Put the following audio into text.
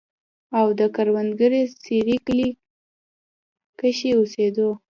او د کروړې سېرۍ کلي کښې اوسېدو